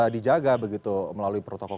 dijaga begitu melalui protokol